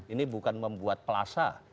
ini bukan membuat plaza